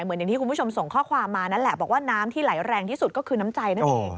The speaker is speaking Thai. อย่างที่คุณผู้ชมส่งข้อความมานั่นแหละบอกว่าน้ำที่ไหลแรงที่สุดก็คือน้ำใจนั่นเอง